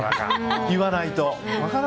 言わないと。